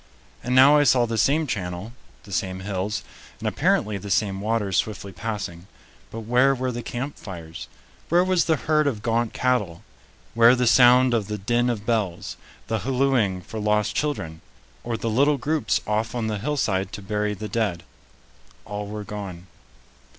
And now I saw the same channel, the same hills, and apparently the same waters swiftly passing. But where were the camp fires? Where was the herd of gaunt cattle? Where the sound of the din of bells? The hallooing for lost children? Or the little groups off on the hillside to bury the dead? All were gone.